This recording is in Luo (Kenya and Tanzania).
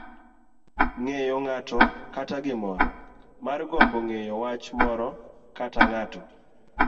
ng'eyo ng'ato kata gimoro. margombo ng'eyo wach moro kata ng'ato.